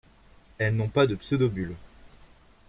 Elles n'ont pas de pseudobulbes.